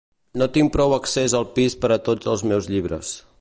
No tinc prou accés al pis per a tots els meus llibres.